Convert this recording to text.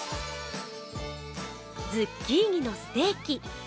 ズッキーニのステーキ。